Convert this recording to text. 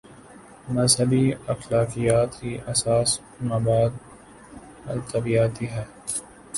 مذہبی اخلاقیات کی اساس مابعد الطبیعیاتی ہے۔